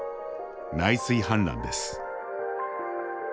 内水氾濫です。